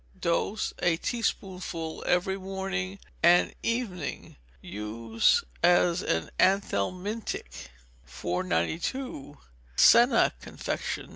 Dose, a teaspoonful every morning and evening. Use as an anthelmintic. 492. Senna Confection.